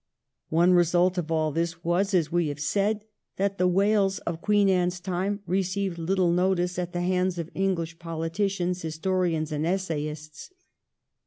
One result of aU this was, as we have said, that the Wales of Queen Anne's time received Uttle notice at the hands of English politicians, historians, and essayists.